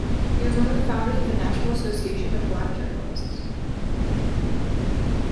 He was one of the founders of the National Association of Black Journalists.